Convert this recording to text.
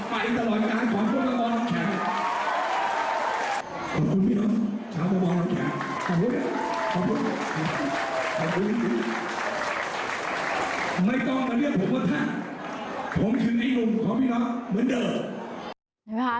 ไม่ต้องมาเลือกผมว่าท่านผมขึ้นในลุมของพี่น้องเหมือนเดิม